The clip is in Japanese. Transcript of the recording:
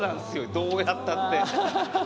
どうやったって。